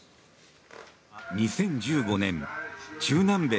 ２０１５年中南米